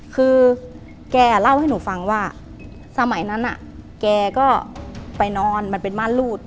คือแกเล่าให้หนูฟังว่าสมัยนั้นแกก็ไปนอนมันเป็นม่านรูด